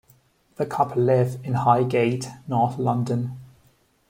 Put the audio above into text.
The couple live in Highgate, North London.